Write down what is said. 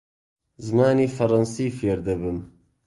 زمانی فەڕەنسی فێر دەبم.